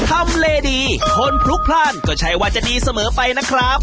ทำเลดีคนพลุกพลาดก็ใช่ว่าจะดีเสมอไปนะครับ